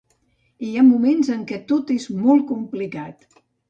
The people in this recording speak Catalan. Hi ha moments en què tot és molt complicat.